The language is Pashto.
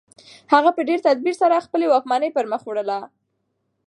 هغه په ډېر تدبیر سره خپله واکمني پرمخ وړله.